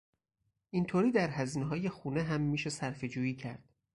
اینطوری در هزینههای خونه هم میشه صرفهجویی کرد.